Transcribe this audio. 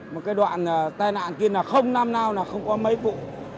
một cái đoạn tai nạn kia là không năm nào là không có mấy vụ